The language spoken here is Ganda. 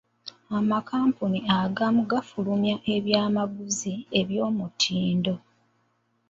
Amakampuni agamu gafulumya ebyamaguzi ebyomutindo.